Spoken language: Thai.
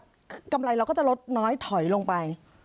กำไรเราก็จะลดน้อยถอยลงไป